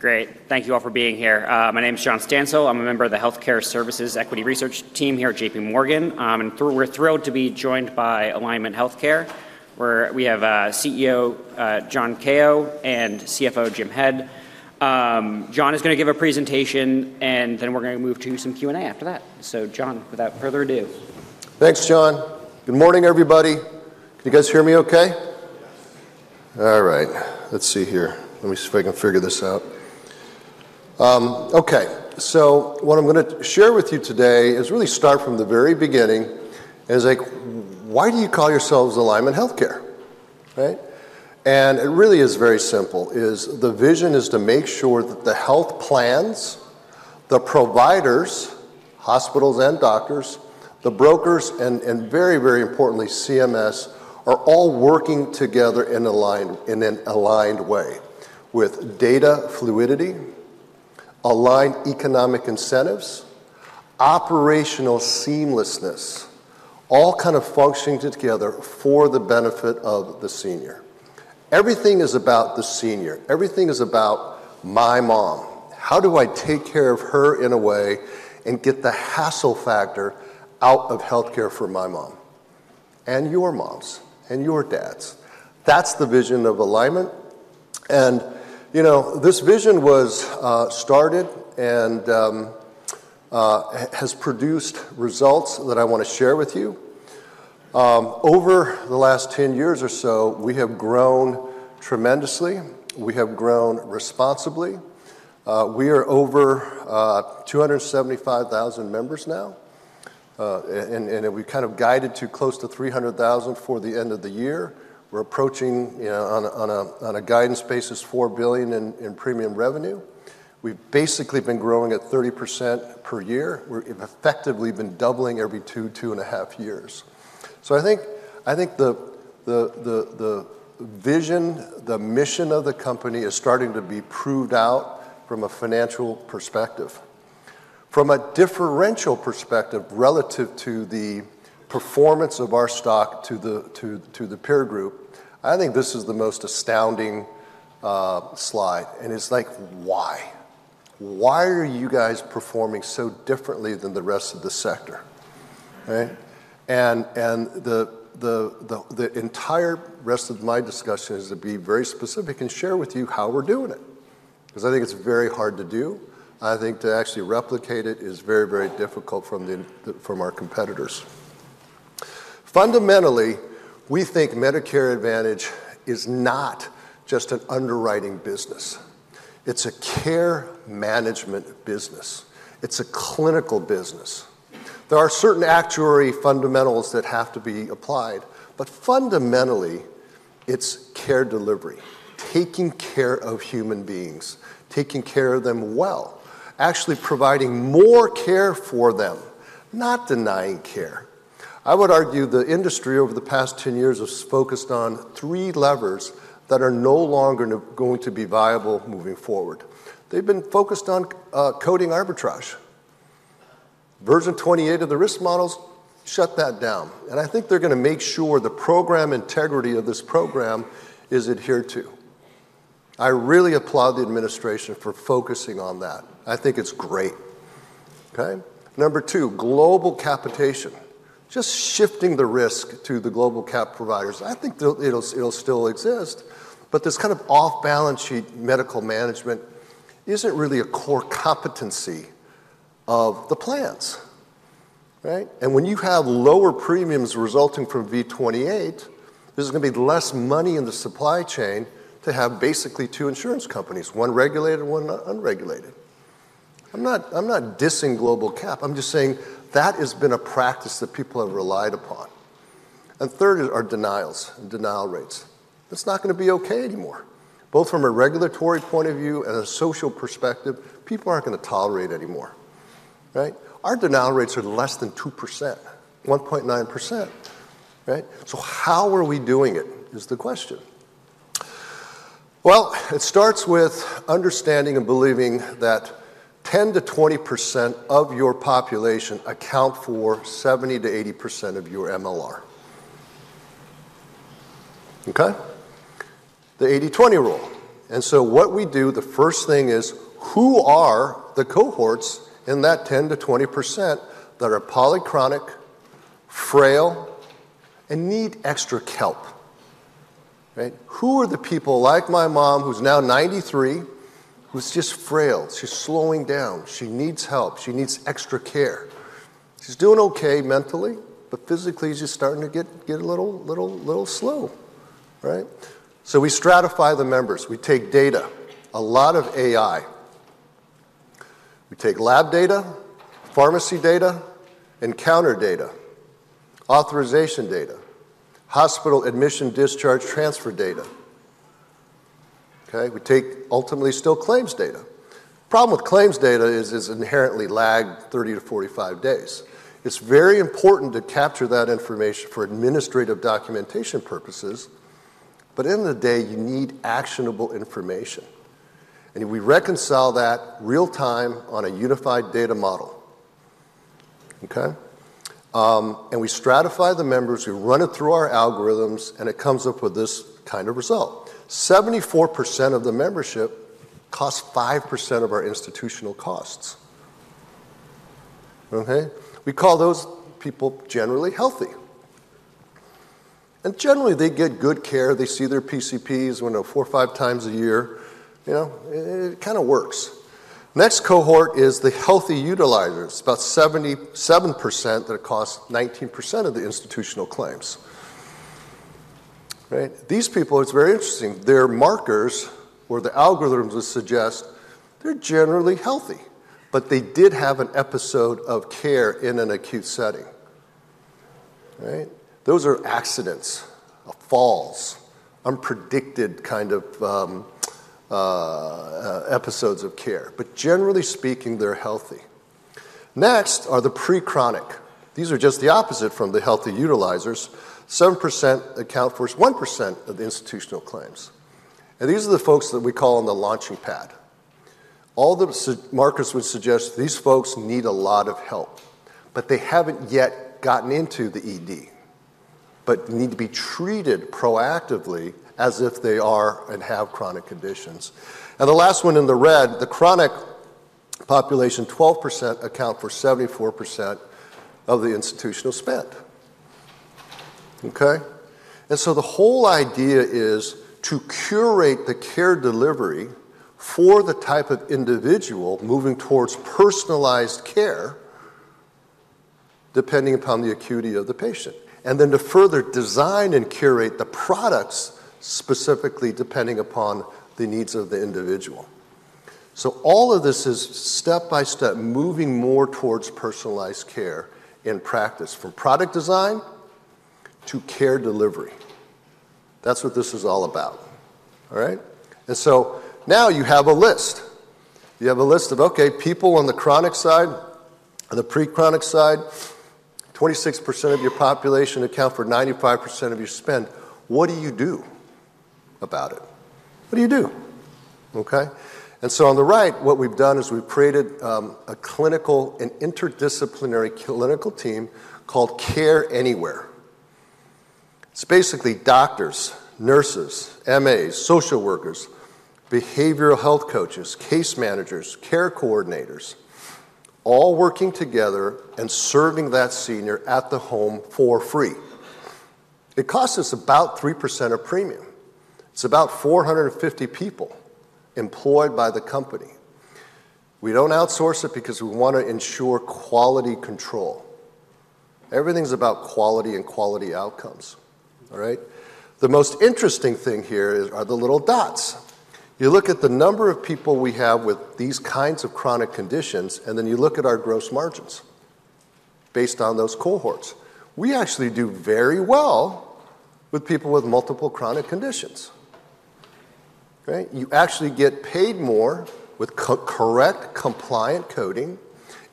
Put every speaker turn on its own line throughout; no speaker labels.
Great. Thank you all for being here. My name is John Stansel. I'm a member of the Healthcare Services Equity Research Team here at JPMorgan. We're thrilled to be joined by Alignment Healthcare, where we have CEO John Kao and CFO Jim Head. John is going to give a presentation, and then we're going to move to some Q&A after that. So, John, without further ado.
Thanks, John. Good morning, everybody. Can you guys hear me okay?
Yes.
All right. Let's see here. Let me see if I can figure this out. Okay. So what I'm going to share with you today is really start from the very beginning. It's like, why do you call yourselves Alignment Healthcare? Right? And it really is very simple. The vision is to make sure that the health plans, the providers, hospitals and doctors, the brokers, and very, very importantly, CMS are all working together in an aligned way with data fluidity, aligned economic incentives, operational seamlessness, all kind of functioning together for the benefit of the senior. Everything is about the senior. Everything is about my mom. How do I take care of her in a way and get the hassle factor out of healthcare for my mom and your moms and your dads? That's the vision of Alignment. This vision was started and has produced results that I want to share with you. Over the last 10 years or so, we have grown tremendously. We have grown responsibly. We are over 275,000 members now, and we've kind of guided to close to 300,000 for the end of the year. We're approaching, on a guidance basis, $4 billion in premium revenue. We've basically been growing at 30% per year. We've effectively been doubling every two, two and a half years. So I think the vision, the mission of the company is starting to be proved out from a financial perspective. From a differential perspective relative to the performance of our stock to the peer group, I think this is the most astounding slide. It's like, why? Why are you guys performing so differently than the rest of the sector? Right? And the entire rest of my discussion is to be very specific and share with you how we're doing it. Because I think it's very hard to do. I think to actually replicate it is very, very difficult from our competitors. Fundamentally, we think Medicare Advantage is not just an underwriting business. It's a care management business. It's a clinical business. There are certain actuarial fundamentals that have to be applied, but fundamentally, it's care delivery, taking care of human beings, taking care of them well, actually providing more care for them, not denying care. I would argue the industry over the past 10 years has focused on three levers that are no longer going to be viable moving forward. They've been focused on coding arbitrage. Version 28 of the risk models shut that down. And I think they're going to make sure the program integrity of this program is adhered to. I really applaud the administration for focusing on that. I think it's great. Okay? Number two, global capitation. Just shifting the risk to the global cap providers. I think it'll still exist, but this kind of off-balance sheet medical management isn't really a core competency of the plans. Right? And when you have lower premiums resulting from V28, there's going to be less money in the supply chain to have basically two insurance companies, one regulated, one unregulated. I'm not dissing global cap. I'm just saying that has been a practice that people have relied upon. And third are denials and denial rates. That's not going to be okay anymore. Both from a regulatory point of view and a social perspective, people aren't going to tolerate anymore. Right? Our denial rates are less than 2%, 1.9%. Right? So how are we doing it is the question. Well, it starts with understanding and believing that 10%-20% of your population account for 70%-80% of your MLR. Okay? The 80/20 rule. And so what we do, the first thing is who are the cohorts in that 10%-20% that are polychronic, frail, and need extra help? Right? Who are the people like my mom who's now 93, who's just frail? She's slowing down. She needs help. She needs extra care. She's doing okay mentally, but physically she's just starting to get a little slow. Right? So we stratify the members. We take data, a lot of AI. We take lab data, pharmacy data, encounter data, authorization data, hospital admission, discharge, transfer data. Okay? We take ultimately still claims data. The problem with claims data is it's inherently lagged 30-45 days. It's very important to capture that information for administrative documentation purposes, but in the day you need actionable information. And we reconcile that real-time on a unified data model. Okay? And we stratify the members. We run it through our algorithms, and it comes up with this kind of result. 74% of the membership costs 5% of our institutional costs. Okay? We call those people generally healthy. And generally they get good care. They see their PCPs, I don't know, four or five times a year. It kind of works. Next cohort is the healthy utilizers. It's about 77% that costs 19% of the institutional claims. Right? These people, it's very interesting. Their markers or the algorithms would suggest they're generally healthy, but they did have an episode of care in an acute setting. Right? Those are accidents, falls, unpredicted kind of episodes of care, but generally speaking, they're healthy. Next are the pre-chronic. These are just the opposite from the healthy utilizers. 7% account for 1% of the institutional claims, and these are the folks that we call on the launching pad. All the markers would suggest these folks need a lot of help, but they haven't yet gotten into the ED, but need to be treated proactively as if they are and have chronic conditions, and the last one in the red, the chronic population, 12% account for 74% of the institutional spend. Okay? And so the whole idea is to curate the care delivery for the type of individual moving towards personalized care depending upon the acuity of the patient, and then to further design and curate the products specifically depending upon the needs of the individual. So all of this is step by step moving more towards personalized care in practice from product design to care delivery. That's what this is all about. All right? And so now you have a list. You have a list of, okay, people on the chronic side, the pre-chronic side, 26% of your population account for 95% of your spend. What do you do about it? What do you do? Okay? And so on the right, what we've done is we've created a clinical, an interdisciplinary clinical team called Care Anywhere. It's basically doctors, nurses, MAs, social workers, behavioral health coaches, case managers, care coordinators, all working together and serving that senior at the home for free. It costs us about 3% of premium. It's about 450 people employed by the company. We don't outsource it because we want to ensure quality control. Everything's about quality and quality outcomes. All right? The most interesting thing here are the little dots. You look at the number of people we have with these kinds of chronic conditions, and then you look at our gross margins based on those cohorts. We actually do very well with people with multiple chronic conditions. Right? You actually get paid more with correct compliant coding,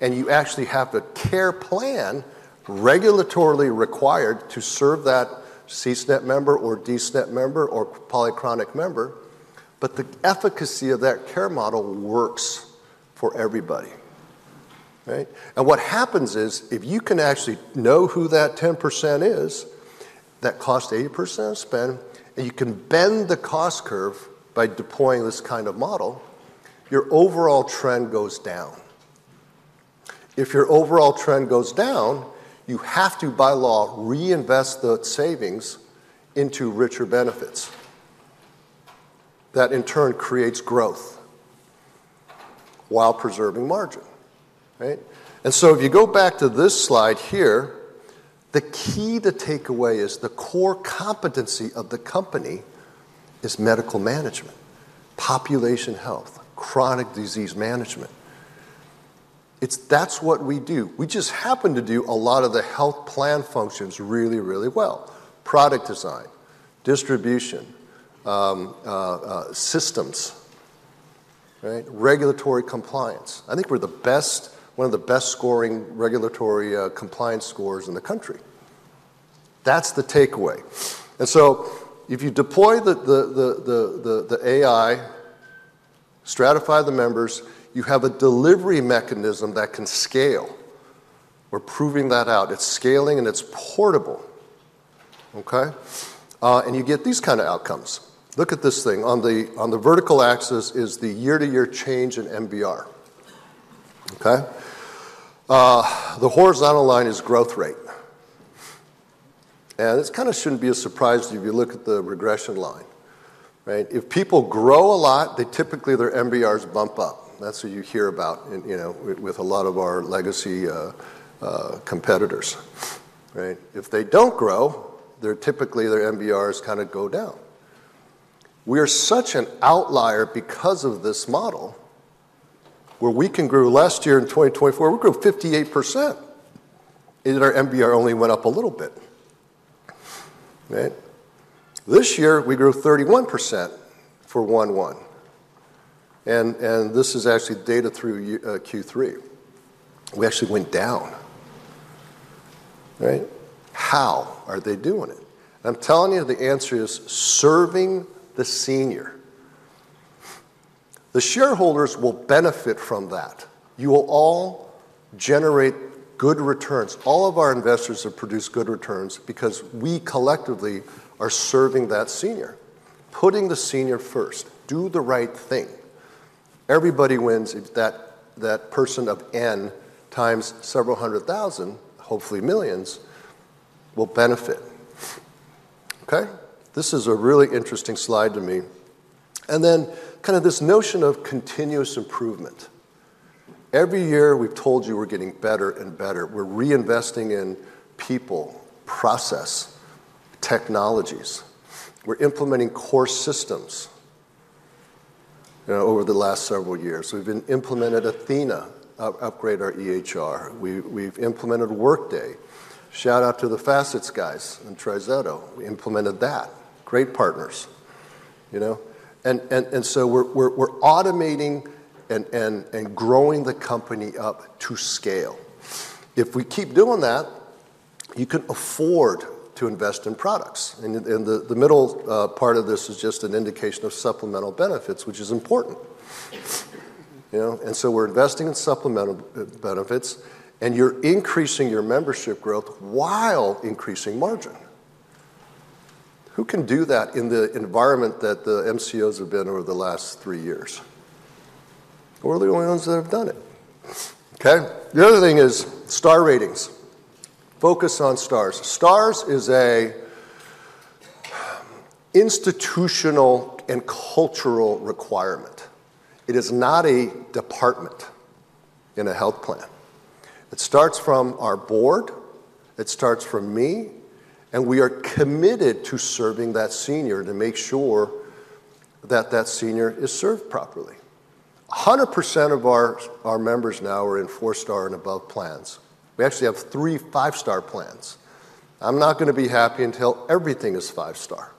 and you actually have a care plan regulatorily required to serve that C-SNP member or D-SNP member or polychronic member, but the efficacy of that care model works for everybody. Right? And what happens is if you can actually know who that 10% is that costs 80% of spend, and you can bend the cost curve by deploying this kind of model, your overall trend goes down. If your overall trend goes down, you have to by law reinvest the savings into richer benefits. That in turn creates growth while preserving margin. Right? And so if you go back to this slide here, the key to take away is the core competency of the company is medical management, population health, chronic disease management. That's what we do. We just happen to do a lot of the health plan functions really, really well. Product design, distribution, systems, right? Regulatory compliance. I think we're one of the best scoring regulatory compliance scores in the country. That's the takeaway. And so if you deploy the AI, stratify the members, you have a delivery mechanism that can scale. We're proving that out. It's scaling and it's portable. Okay? And you get these kind of outcomes. Look at this thing. On the vertical axis is the year-to-year change in MBR. Okay? The horizontal line is growth rate. And it kind of shouldn't be a surprise if you look at the regression line. Right? If people grow a lot, typically their MBRs bump up. That's what you hear about with a lot of our legacy competitors. Right? If they don't grow, typically their MBRs kind of go down. We are such an outlier because of this model where we can grow. Last year in 2024, we grew 58%. And our MBR only went up a little bit. Right? This year we grew 31% for Q1. And this is actually data through Q3. We actually went down. Right? How are they doing it? I'm telling you the answer is serving the senior. The shareholders will benefit from that. You will all generate good returns. All of our investors have produced good returns because we collectively are serving that senior. Putting the senior first, do the right thing. Everybody wins if that person of N times several hundred thousand, hopefully millions, will benefit. Okay? This is a really interesting slide to me. And then kind of this notion of continuous improvement. Every year we've told you we're getting better and better. We're reinvesting in people, process, technologies. We're implementing core systems over the last several years. We've implemented Athena, upgrade our EHR. We've implemented Workday. Shout out to the Facets guys in TriZetto. We implemented that. Great partners. And so we're automating and growing the company up to scale. If we keep doing that, you can afford to invest in products. And the middle part of this is just an indication of supplemental benefits, which is important. And so we're investing in supplemental benefits, and you're increasing your membership growth while increasing margin. Who can do that in the environment that the MCOs have been over the last three years? We're the only ones that have done it. Okay? The other thing is Star Ratings. Focus on stars. Stars is an institutional and cultural requirement. It is not a department in a health plan. It starts from our board. It starts from me. And we are committed to serving that senior to make sure that that senior is served properly. 100% of our members now are in four-star and above plans. We actually have three five-star plans. I'm not going to be happy until everything is five-star.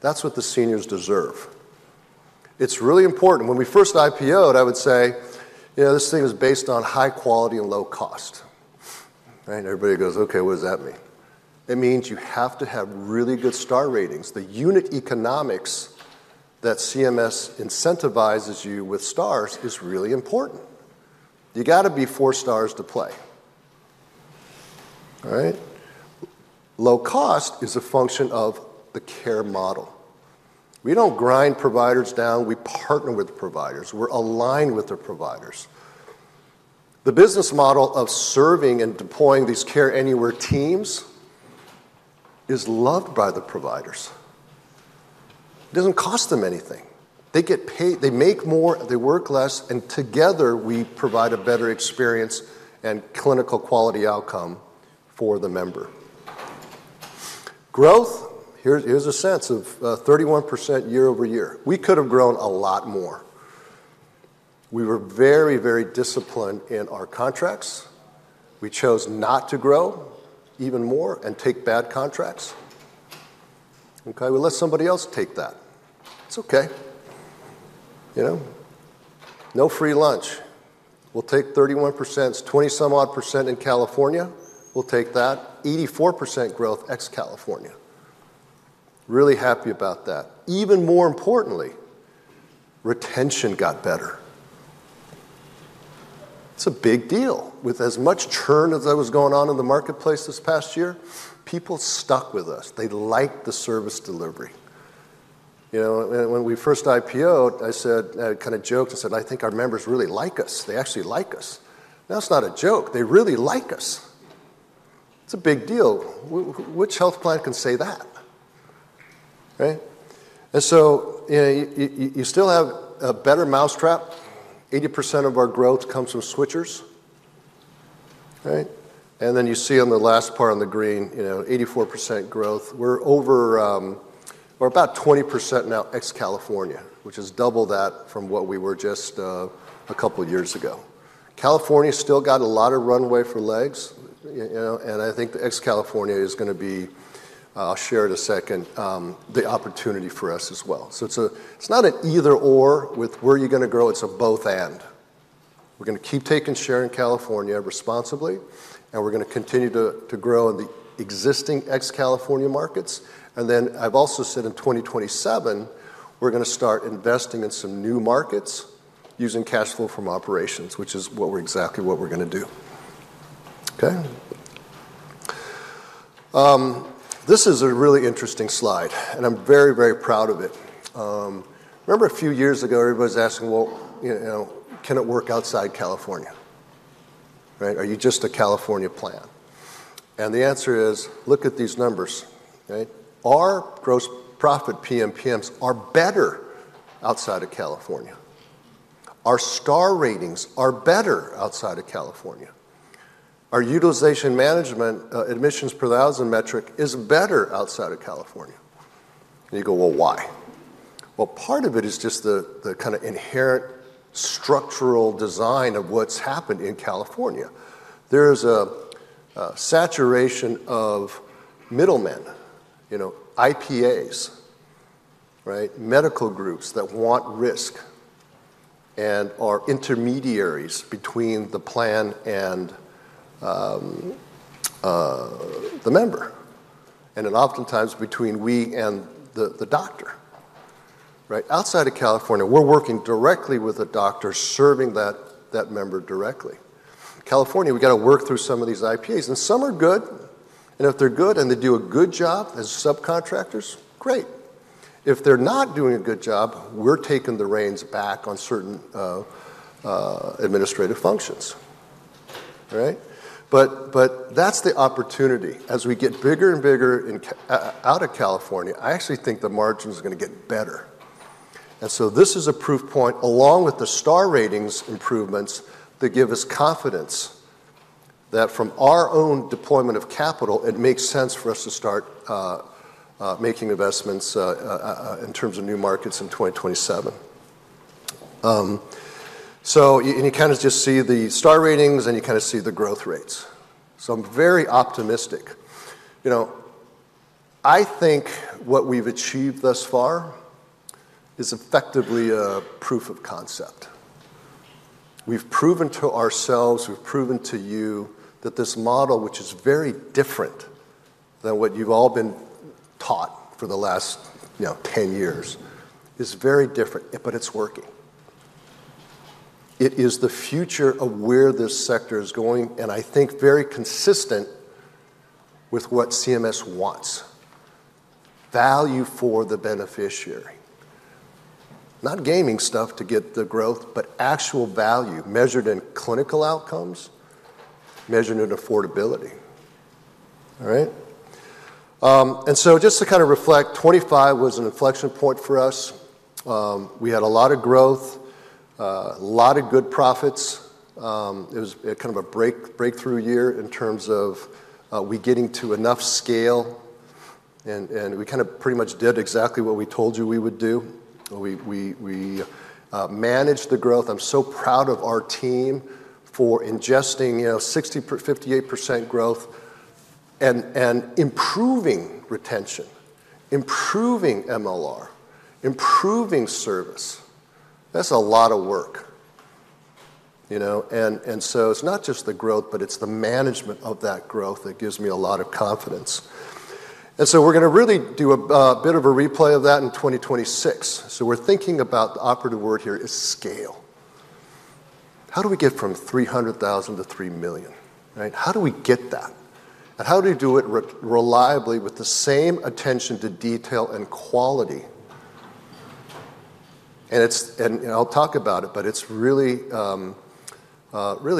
That's what the seniors deserve. It's really important. When we first IPOed, I would say, "This thing is based on high quality and low cost." Right? Everybody goes, "Okay, what does that mean?" It means you have to have really good Star Ratings. The unit economics that CMS incentivizes you with stars is really important. You got to be four stars to play. All right? Low cost is a function of the care model. We don't grind providers down. We partner with providers. We're aligned with the providers. The business model of serving and deploying these Care Anywhere teams is loved by the providers. It doesn't cost them anything. They make more, they work less, and together we provide a better experience and clinical quality outcome for the member. Growth, here's a sense of 31% year-over-year. We could have grown a lot more. We were very, very disciplined in our contracts. We chose not to grow even more and take bad contracts. Okay? We let somebody else take that. It's okay. No free lunch. We'll take 31%. It's 20-some-odd% in California. We'll take that. 84% growth ex-California. Really happy about that. Even more importantly, retention got better. It's a big deal. With as much churn as I was going on in the marketplace this past year, people stuck with us. They liked the service delivery. When we first IPOed, I kind of joked. I said, "I think our members really like us. They actually like us." That's not a joke. They really like us. It's a big deal. Which health plan can say that? Right? And so you still have a better mousetrap. 80% of our growth comes from switchers. Right? And then you see on the last part on the green, 84% growth. We're about 20% now ex-California, which is double that from what we were just a couple of years ago. California still got a lot of runway for legs. And I think ex-California is going to be, I'll share it a second, the opportunity for us as well. So it's not an either/or with where are you going to grow. It's a both/and. We're going to keep taking share in California responsibly, and we're going to continue to grow in the existing ex-California markets. And then I've also said in 2027, we're going to start investing in some new markets using cash flow from operations, which is exactly what we're going to do. Okay? This is a really interesting slide, and I'm very, very proud of it. Remember a few years ago, everybody was asking, "Well, can it work outside California?" Right? Are you just a California plan? And the answer is, look at these numbers. Right? Our gross profit PMPMs are better outside of California. Our Star Ratings are better outside of California. Our utilization management admissions per thousand metric is better outside of California. And you go, "Well, why?" Well, part of it is just the kind of inherent structural design of what's happened in California. There is a saturation of middlemen, IPAs, right, medical groups that want risk and are intermediaries between the plan and the member, and oftentimes between we and the doctor. Right? Outside of California, we're working directly with a doctor serving that member directly. California, we got to work through some of these IPAs. And some are good. And if they're good and they do a good job as subcontractors, great. If they're not doing a good job, we're taking the reins back on certain administrative functions. All right? But that's the opportunity. As we get bigger and bigger out of California, I actually think the margins are going to get better. And so this is a proof point along with the Star Ratings improvements that give us confidence that from our own deployment of capital, it makes sense for us to start making investments in terms of new markets in 2027. So you kind of just see the Star Ratings and you kind of see the growth rates. So I'm very optimistic. I think what we've achieved thus far is effectively a proof of concept. We've proven to ourselves, we've proven to you that this model, which is very different than what you've all been taught for the last 10 years, is very different, but it's working. It is the future of where this sector is going, and I think very consistent with what CMS wants. Value for the beneficiary. Not gaming stuff to get the growth, but actual value measured in clinical outcomes, measured in affordability. All right? And so just to kind of reflect, 2025 was an inflection point for us. We had a lot of growth, a lot of good profits. It was kind of a breakthrough year in terms of we getting to enough scale, and we kind of pretty much did exactly what we told you we would do. We managed the growth. I'm so proud of our team for ingesting 58% growth and improving retention, improving MLR, improving service. That's a lot of work. And so it's not just the growth, but it's the management of that growth that gives me a lot of confidence. And so we're going to really do a bit of a replay of that in 2026. So we're thinking about the operative word here is scale. How do we get from 300,000 to 3 million? Right? How do we get that? How do we do it reliably with the same attention to detail and quality? I'll talk about it, but it's really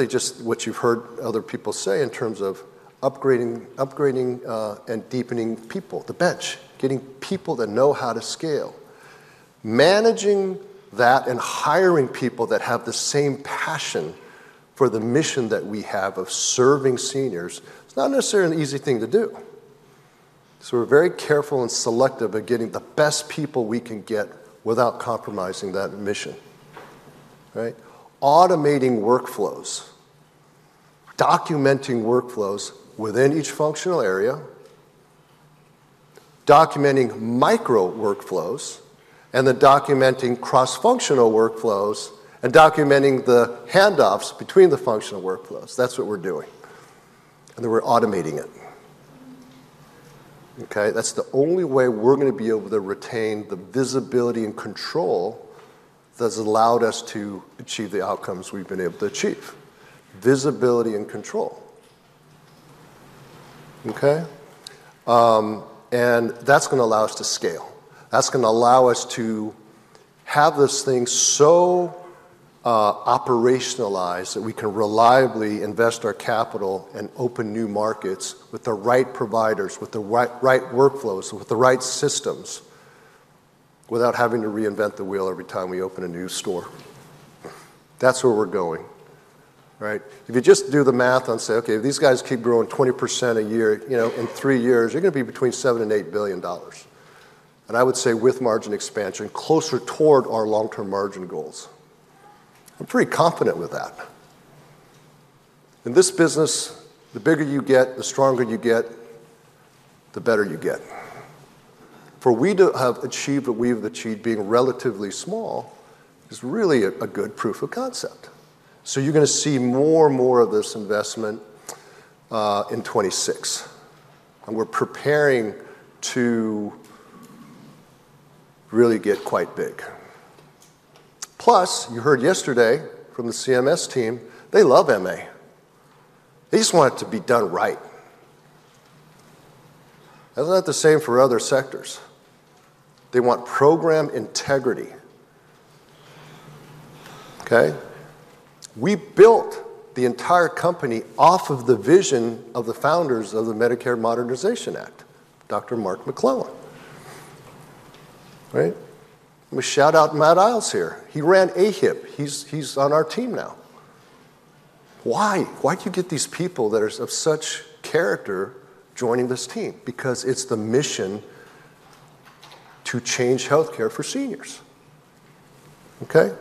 just what you've heard other people say in terms of upgrading and deepening people, the bench, getting people that know how to scale. Managing that and hiring people that have the same passion for the mission that we have of serving seniors is not necessarily an easy thing to do. We're very careful and selective at getting the best people we can get without compromising that mission. Right? Automating workflows, documenting workflows within each functional area, documenting micro workflows, and then documenting cross-functional workflows and documenting the handoffs between the functional workflows. That's what we're doing. We're automating it. Okay? That's the only way we're going to be able to retain the visibility and control that's allowed us to achieve the outcomes we've been able to achieve. Visibility and control. Okay? And that's going to allow us to scale. That's going to allow us to have this thing so operationalized that we can reliably invest our capital and open new markets with the right providers, with the right workflows, with the right systems without having to reinvent the wheel every time we open a new store. That's where we're going. Right? If you just do the math and say, "Okay, if these guys keep growing 20% a year, in three years, you're going to be between $7 billion and $8 billion." And I would say with margin expansion, closer toward our long-term margin goals. I'm pretty confident with that. In this business, the bigger you get, the stronger you get, the better you get. For we to have achieved what we've achieved being relatively small is really a good proof of concept. So you're going to see more and more of this investment in 2026. And we're preparing to really get quite big. Plus, you heard yesterday from the CMS team. They love MA. They just want it to be done right. And that's not the same for other sectors. They want program integrity. Okay? We built the entire company off of the vision of the founders of the Medicare Modernization Act, Dr. Mark McClellan. Right? Let me shout out Matt Eyles here. He ran AHIP. He's on our team now. Why? Why do you get these people that are of such character joining this team? Because it's the mission to change healthcare for seniors. Okay?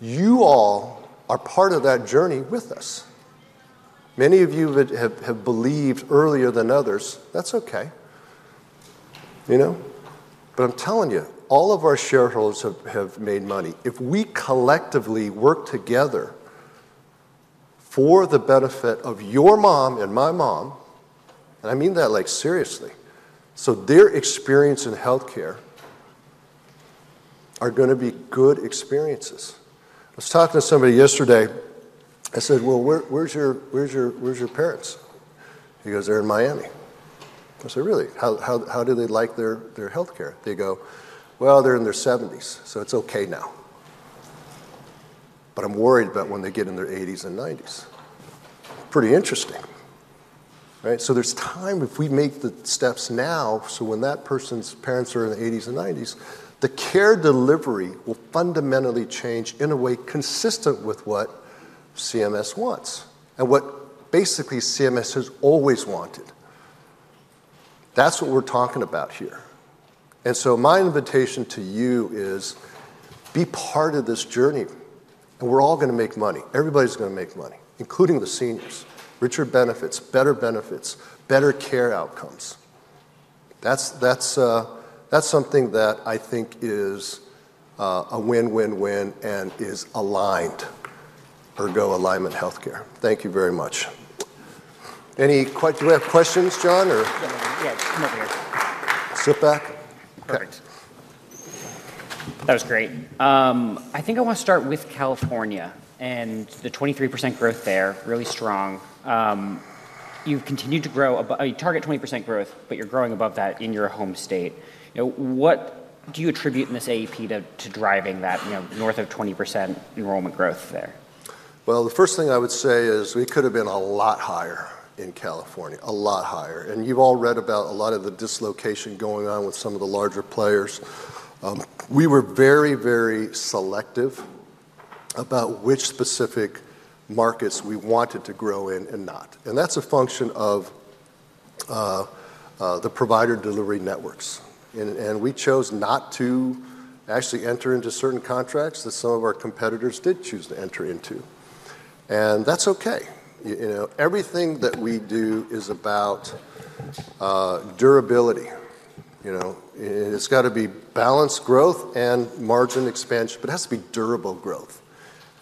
You all are part of that journey with us. Many of you have believed earlier than others. That's okay. But I'm telling you, all of our shareholders have made money. If we collectively work together for the benefit of your mom and my mom, and I mean that seriously, so their experience in healthcare are going to be good experiences. I was talking to somebody yesterday. I said, "Well, where's your parents?" He goes, "They're in Miami." I said, "Really? How do they like their healthcare?" They go, "Well, they're in their 70s, so it's okay now. But I'm worried about when they get in their 80s and 90s." Pretty interesting. Right? So there's time if we make the steps now so when that person's parents are in their 80s and 90s, the care delivery will fundamentally change in a way consistent with what CMS wants and what basically CMS has always wanted. That's what we're talking about here. And so my invitation to you is be part of this journey. And we're all going to make money. Everybody's going to make money, including the seniors. Richer benefits, better benefits, better care outcomes. That's something that I think is a win-win-win and is aligned for Go Alignment Healthcare. Thank you very much. Any questions? Do we have questions, John, or?
Yeah, come over here.
Sit back.
Perfect. That was great. I think I want to start with California and the 23% growth there, really strong. You've continued to grow above your target 20% growth, but you're growing above that in your home state. What do you attribute to this AEP to driving that north of 20% enrollment growth there?
Well, the first thing I would say is we could have been a lot higher in California, a lot higher. And you've all read about a lot of the dislocation going on with some of the larger players. We were very, very selective about which specific markets we wanted to grow in and not. And that's a function of the provider delivery networks. And we chose not to actually enter into certain contracts that some of our competitors did choose to enter into. And that's okay. Everything that we do is about durability. It's got to be balanced growth and margin expansion, but it has to be durable growth.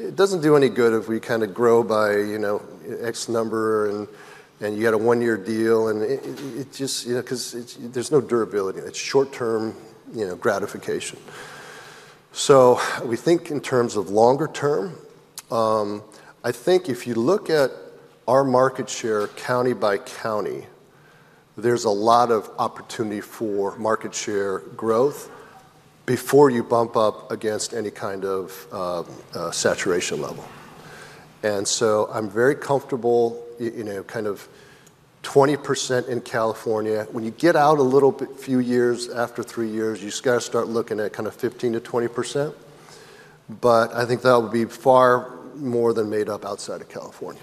It doesn't do any good if we kind of grow by X number and you had a one-year deal and it just because there's no durability. It's short-term gratification. So we think in terms of longer term. I think if you look at our market share county by county, there's a lot of opportunity for market share growth before you bump up against any kind of saturation level. And so I'm very comfortable in kind of 20% in California. When you get out a little few years after three years, you just got to start looking at kind of 15%-20%. But I think that would be far more than made up outside of California.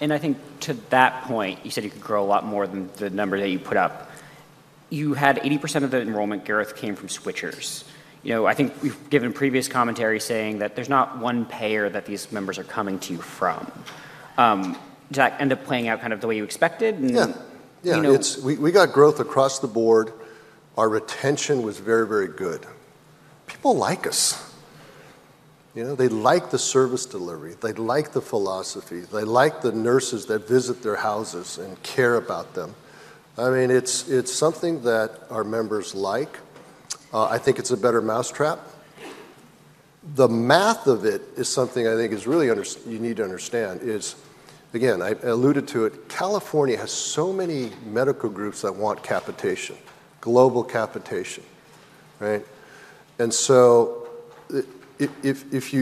And I think to that point, you said you could grow a lot more than the number that you put up. You had 80% of the enrollment, Gareth, came from switchers. I think we've given previous commentary saying that there's not one payer that these members are coming to you from. Did that end up playing out kind of the way you expected?
Yeah. We got growth across the board. Our retention was very, very good. People like us. They like the service delivery. They like the philosophy. They like the nurses that visit their houses and care about them. I mean, it's something that our members like. I think it's a better mousetrap. The math of it is something I think you need to understand is, again, I alluded to it, California has so many medical groups that want capitation, global capitation. Right? And so if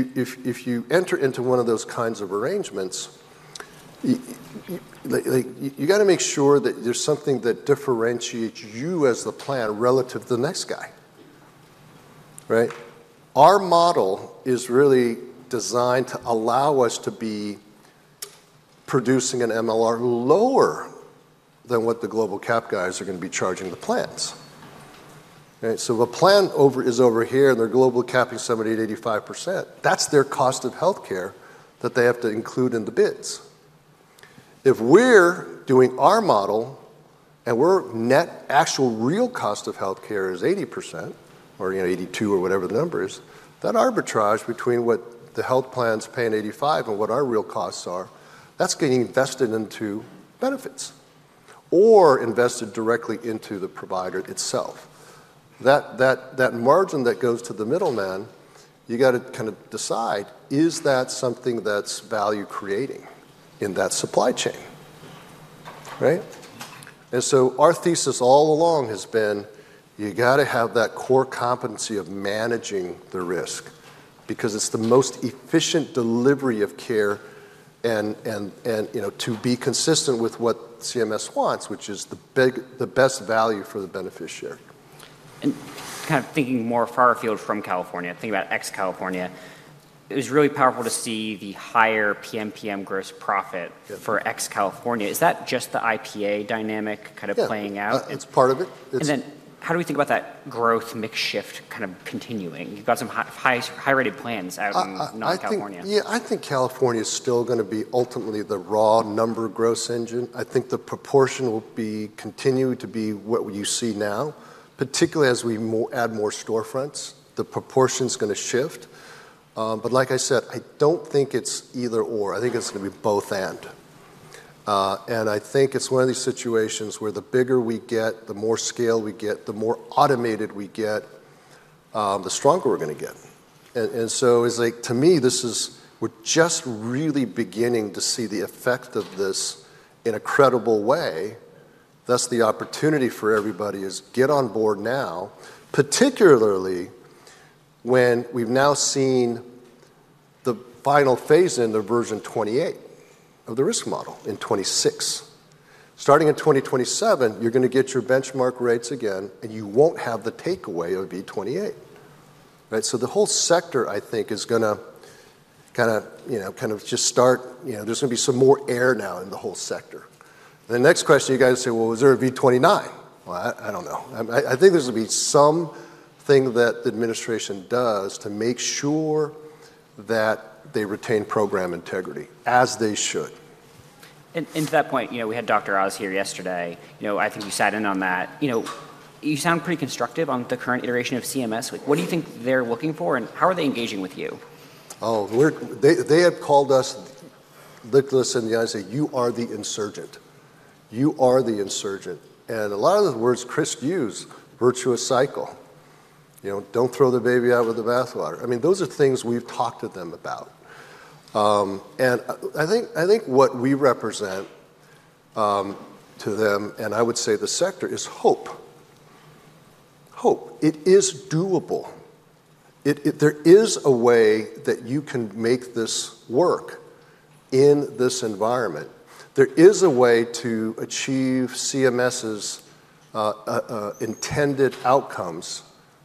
you enter into one of those kinds of arrangements, you got to make sure that there's something that differentiates you as the plan relative to the next guy. Right? Our model is really designed to allow us to be producing an MLR lower than what the global cap guys are going to be charging the plans. Right? So if a plan is over here and their global cap is 70%-85%, that's their cost of healthcare that they have to include in the bids. If we're doing our model and we're net actual real cost of healthcare is 80% or 82% or whatever the number is, that arbitrage between what the health plans pay in 85% and what our real costs are, that's getting invested into benefits or invested directly into the provider itself. That margin that goes to the middleman, you got to kind of decide, is that something that's value-creating in that supply chain? Right? Our thesis all along has been, you got to have that core competency of managing the risk because it's the most efficient delivery of care and to be consistent with what CMS wants, which is the best value for the beneficiary.
Kind of thinking more far afield from California, thinking about ex-California, it was really powerful to see the higher PMPM gross profit for ex-California. Is that just the IPA dynamic kind of playing out?
It's part of it.
Then how do we think about that growth mix shift kind of continuing? You've got some high-rated plans out in non-California.
Yeah, I think California is still going to be ultimately the raw number gross engine. I think the proportion will continue to be what you see now, particularly as we add more storefronts. The proportion's going to shift. But like I said, I don't think it's either/or. I think it's going to be both/and. And I think it's one of these situations where the bigger we get, the more scale we get, the more automated we get, the stronger we're going to get. And so it's like, to me, this is we're just really beginning to see the effect of this in a credible way. That's the opportunity for everybody is get on board now, particularly when we've now seen the final phase in the version 28 of the risk model in 2026. Starting in 2027, you're going to get your benchmark rates again, and you won't have the takeaway of V28. Right? So the whole sector, I think, is going to kind of just start. There's going to be some more air now in the whole sector. The next question, you guys say, "Well, is there a V29?" Well, I don't know. I think there's going to be something that the administration does to make sure that they retain program integrity as they should.
And to that point, we had Dr. Eyles here yesterday. I think you sat in on that. You sound pretty constructive on the current iteration of CMS. What do you think they're looking for, and how are they engaging with you?
Oh, they had called us, looked at us in the eye and said, "You are the insurgent. You are the insurgent," and a lot of the words Chris used, virtuous cycle. Don't throw the baby out with the bathwater. I mean, those are things we've talked to them about, and I think what we represent to them, and I would say the sector, is hope. Hope. It is doable. There is a way that you can make this work in this environment. There is a way to achieve CMS's intended outcomes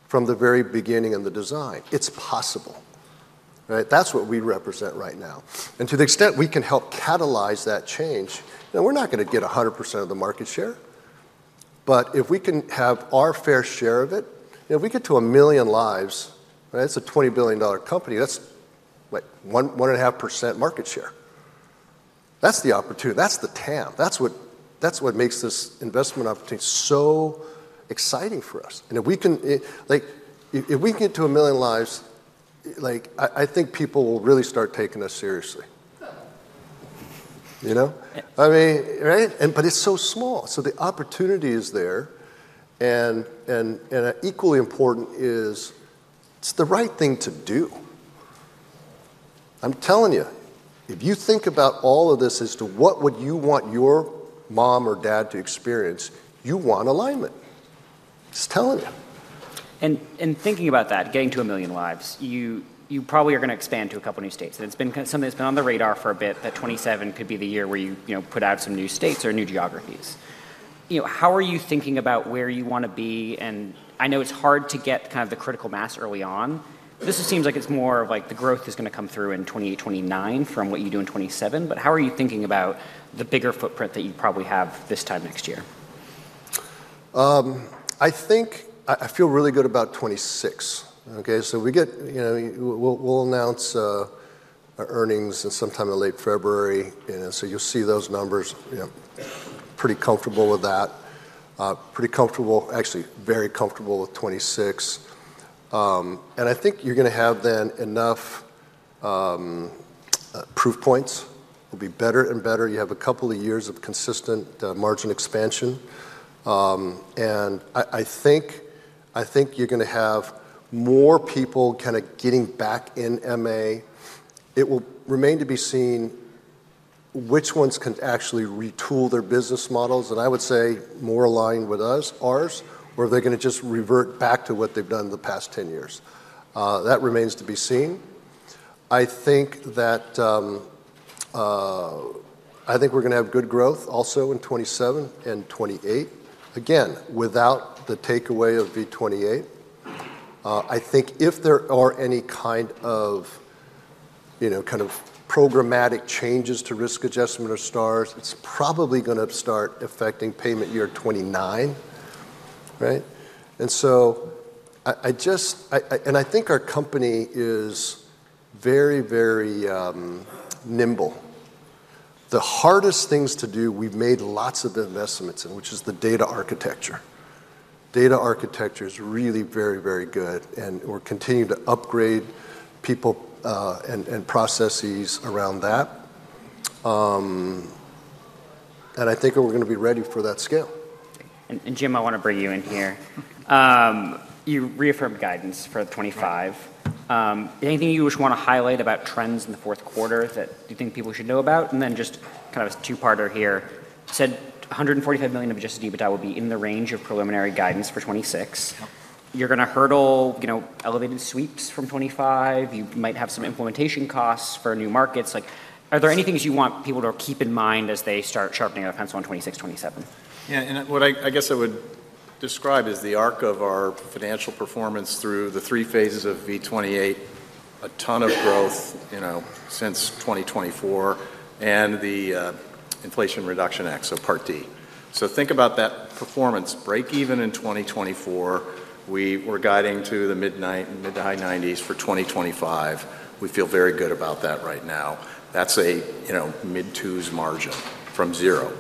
from the very beginning of the design. It's possible. Right? That's what we represent right now, and to the extent we can help catalyze that change, now we're not going to get 100% of the market share. But if we can have our fair share of it, if we get to a million lives, right, it's a $20 billion company. That's like 1.5% market share. That's the opportunity. That's the TAM. That's what makes this investment opportunity so exciting for us, and if we can get to a million lives, I think people will really start taking us seriously. You know? I mean, right? But it's so small, so the opportunity is there, and equally important is it's the right thing to do. I'm telling you, if you think about all of this as to what would you want your mom or dad to experience, you want Alignment. Just telling you.
And thinking about that, getting to a million lives, you probably are going to expand to a couple of new states. And it's been something that's been on the radar for a bit, that 2027 could be the year where you put out some new states or new geographies. How are you thinking about where you want to be? And I know it's hard to get kind of the critical mass early on. This seems like it's more of like the growth is going to come through in 2028, 2029 from what you do in 2027. But how are you thinking about the bigger footprint that you probably have this time next year?
I feel really good about 2026. Okay? We'll announce our earnings sometime in late February, and so you'll see those numbers. Pretty comfortable with that, actually very comfortable with 2026. And I think you're going to have enough proof points then. It'll be better and better. You have a couple of years of consistent margin expansion, and I think you're going to have more people kind of getting back in MA. It will remain to be seen which ones can actually retool their business models, and I would say more aligned with ours, or they're going to just revert back to what they've done the past 10 years. That remains to be seen. I think we're going to have good growth also in 2027 and 2028. Again, without the takeaway of V28. I think if there are any kind of programmatic changes to risk adjustment or STARs, it's probably going to start affecting payment year 2029. Right? And so I just, and I think our company is very, very nimble. The hardest things to do, we've made lots of investments in, which is the data architecture. Data architecture is really very, very good. And we're continuing to upgrade people and processes around that. And I think we're going to be ready for that scale.
And Jim, I want to bring you in here. You reaffirmed guidance for 2025. Anything you would want to highlight about trends in the fourth quarter that you think people should know about? And then just kind of a two-parter here. You said $145 million of Adjusted EBITDA will be in the range of preliminary guidance for 2026. You're going to hurdle elevated sweeps from 2025. You might have some implementation costs for new markets. Are there any things you want people to keep in mind as they start sharpening their pencil on 2026, 2027?
Yeah, and what I guess I would describe is the arc of our financial performance through the three phases of V28, a ton of growth since 2024, and the Inflation Reduction Act, so Part D. So think about that performance. Break even in 2024. We were guiding to the mid-to-high 90s for 2025. We feel very good about that right now. That's a mid-twos margin from zero,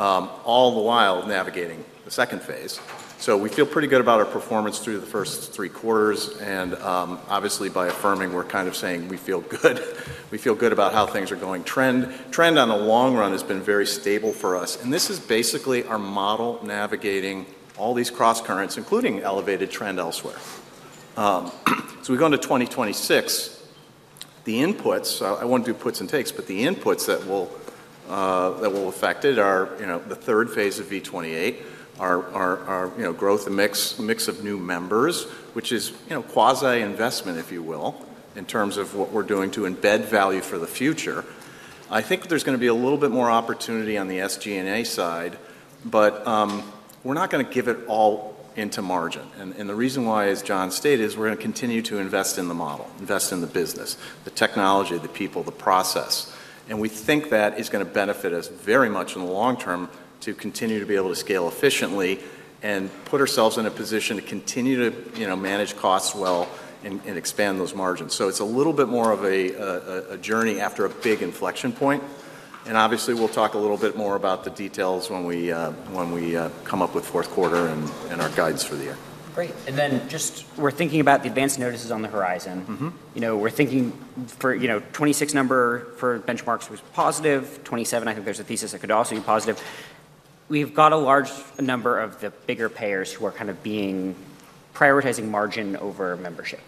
all the while navigating the second phase, so we feel pretty good about our performance through the first three quarters. And obviously, by affirming, we're kind of saying we feel good. We feel good about how things are going. Trend on the long run has been very stable for us. And this is basically our model navigating all these cross currents, including elevated trend elsewhere. So we go into 2026. The inputs, I won't do puts and takes, but the inputs that will affect it are the third phase of V28, our growth mix of new members, which is quasi-investment, if you will, in terms of what we're doing to embed value for the future. I think there's going to be a little bit more opportunity on the SG&A side, but we're not going to give it all into margin. And the reason why, as John stated, is we're going to continue to invest in the model, invest in the business, the technology, the people, the process. And we think that is going to benefit us very much in the long term to continue to be able to scale efficiently and put ourselves in a position to continue to manage costs well and expand those margins. So it's a little bit more of a journey after a big inflection point. And obviously, we'll talk a little bit more about the details when we come up with fourth quarter and our guidance for the year.
Great. And then just we're thinking about the Advanced Notices on the horizon. We're thinking for 2026 number for Benchmarks was positive. 2027, I think there's a thesis that could also be positive. We've got a large number of the bigger payers who are kind of prioritizing margin over membership.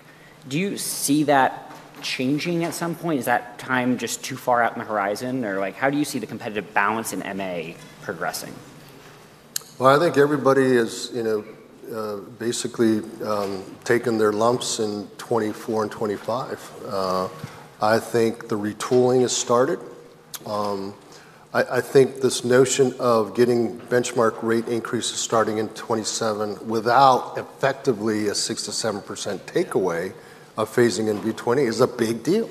Do you see that changing at some point? Is that time just too far out in the horizon? Or how do you see the competitive balance in MA progressing?
Well, I think everybody has basically taken their lumps in 2024 and 2025. I think the retooling has started. I think this notion of getting benchmark rate increases starting in 2027 without effectively a 6%-7% takeaway of phasing in V28 is a big deal.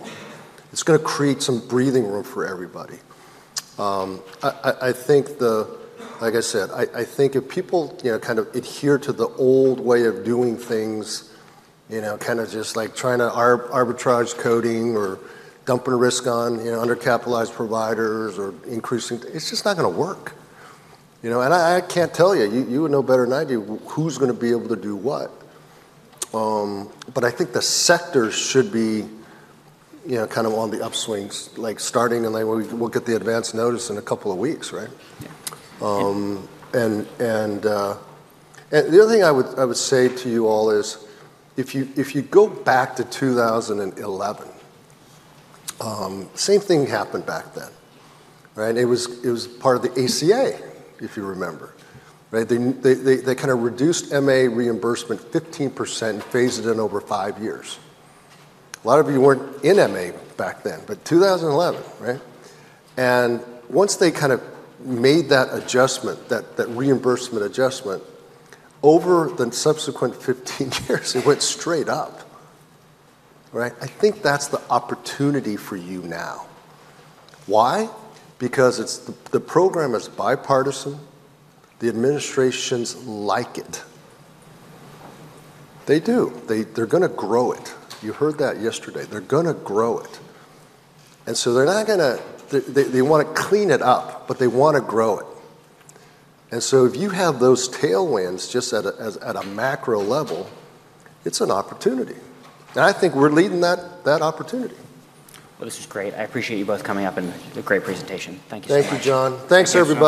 It's going to create some breathing room for everybody. I think, like I said, I think if people kind of adhere to the old way of doing things, kind of just like trying to arbitrage coding or dumping risk on undercapitalized providers or increasing, it's just not going to work. And I can't tell you. You would know better than I do who's going to be able to do what. But I think the sector should be kind of on the upswings, like starting in, we'll get the Advanced Notice in a couple of weeks, right? And the other thing I would say to you all is if you go back to 2011, same thing happened back then. Right? It was part of the ACA, if you remember. Right? They kind of reduced MA reimbursement 15% and phased it in over five years. A lot of you weren't in MA back then, but 2011, right? And once they kind of made that adjustment, that reimbursement adjustment, over the subsequent 15 years, it went straight up. Right? I think that's the opportunity for you now. Why? Because the program is bipartisan. The administrations like it. They do. They're going to grow it. You heard that yesterday. They're going to grow it. And so they're not going to; they want to clean it up, but they want to grow it. And so if you have those tailwinds just at a macro level, it's an opportunity. And I think we're leading that opportunity.
Well, this is great. I appreciate you both coming up and a great presentation. Thank you so much.
Thank you, John. Thanks, everybody.